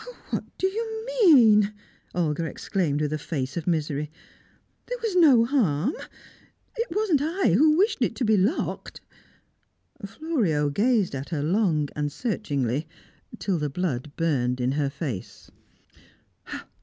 "Oh, what do you mean?" Olga exclaimed, with a face of misery. "There was no harm. It wasn't I who wished it to be locked!" Florio gazed at her long and searchingly, till the blood burned in her face.